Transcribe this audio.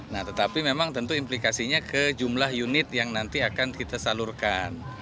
nah tetapi memang tentu implikasinya ke jumlah unit yang nanti akan kita salurkan